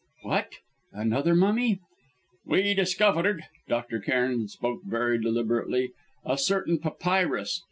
"What, another mummy?" "We discovered" Dr. Cairn spoke very deliberately "a certain papyrus.